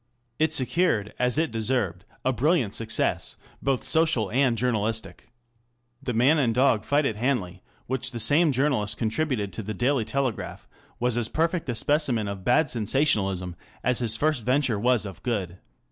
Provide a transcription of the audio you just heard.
It secured, as it deserved, a brilliant success, both social and journalistic. The man and dog fight at Hanley, which the same journalist con tributed to the Daily ^Telegraph, was as perfect a specimen of bad sensationalism as his first venture was of good.